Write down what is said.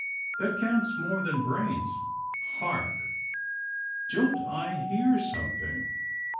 That counts more than brains — Hark — don't I hear something?